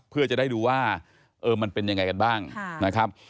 เพื่อจะได้ดูว่ามันเป็นยังไงกันบ้างนะครับ